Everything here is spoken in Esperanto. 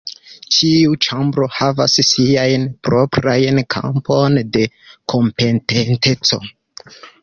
Ĉiu ĉambro havas siajn proprajn kampon de kompetenteco.